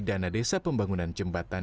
dana desa pembangunan jembatan